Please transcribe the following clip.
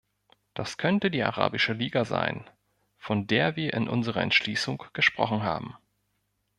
Das könnte die Arabische Liga sein, von der wir in unserer Entschließung gesprochen haben.